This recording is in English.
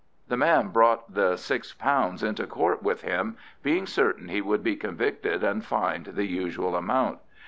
The man brought the £6 into Court with him, being certain he would be convicted and fined the usual amount.